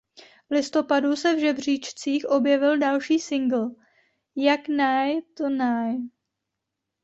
V listopadu se v žebříčcích objevil další singl „Jak nie to nie“.